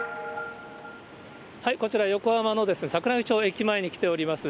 こちら、横浜の桜木町駅前に来ております。